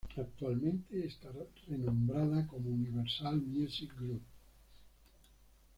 Actualmente esta renombrada como Universal Music Group.